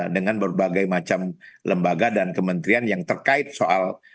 dengan berbagai macam lembaga dan kementerian yang terkait soal